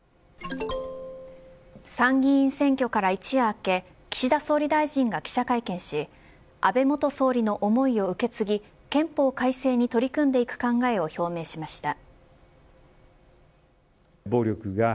参議院選挙から一夜明け岸田総理大臣が記者会見し安倍元総理の思いを受け継ぎ憲法改正に取り組んでいく考えを表明しました。